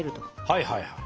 はいはいはい。